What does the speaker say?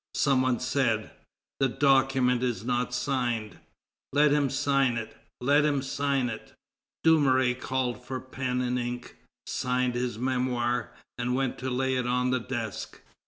Some one said: "The document is not signed. Let him sign it! Let him sign it!" Dumouriez called for pen and ink, signed his memoir, and went to lay it on the desk.